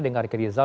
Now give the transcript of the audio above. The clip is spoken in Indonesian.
dengan riki rizal